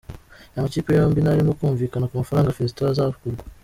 Aya makipe yombi ntarimo kumvikana ku mafaranga Fiston azagurwa.